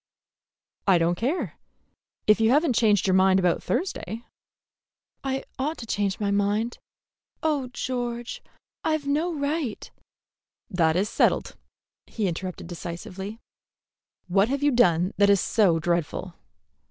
"I don't care, if you have n't changed your mind about Thursday." "I ought to change my mind. Oh, George, I've no right " "That is settled," he interrupted decisively. "What have you done that is so dreadful?"